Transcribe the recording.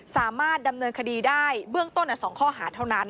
สามารถดำเนินคดีได้เบื้องต้น๒ข้อหาเท่านั้น